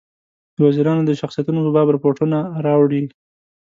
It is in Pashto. د وزیرانو د شخصیتونو په باب رپوټونه راوړي.